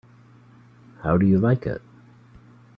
How do you like it?